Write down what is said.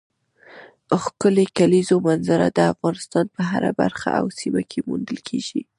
ښکلې کلیزو منظره د افغانستان په هره برخه او سیمه کې موندل کېږي.